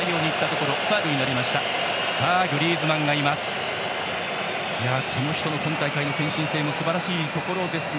この人の今大会の献身性もすばらしいところですが。